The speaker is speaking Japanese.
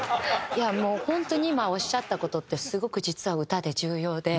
いやもう本当に今おっしゃった事ってすごく実は歌で重要で。